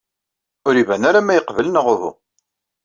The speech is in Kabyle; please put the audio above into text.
Ur iban ara ma yeqbel neɣ uhu.